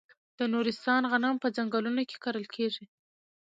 د نورستان غنم په ځنګلونو کې کرل کیږي.